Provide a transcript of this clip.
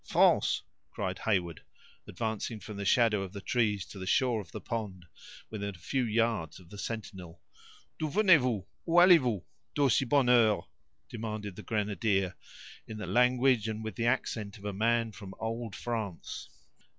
"France!" cried Heyward, advancing from the shadow of the trees to the shore of the pond, within a few yards of the sentinel. "D'ou venez vous—ou allez vous, d'aussi bonne heure?" demanded the grenadier, in the language and with the accent of a man from old France.